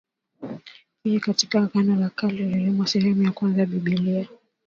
pia katika Agano la Kale lililo sehemu ya kwanza ya Biblia ya Kikristo